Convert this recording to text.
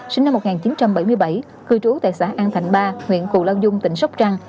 sinh năm một nghìn chín trăm bảy mươi bảy cư trú tại xã an thạnh ba huyện cù lao dung tỉnh sóc trăng